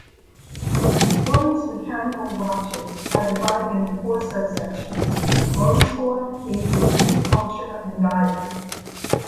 Oris' mechanical watches are divided into four subsections: Motor Sport, Aviation, Culture and Diving.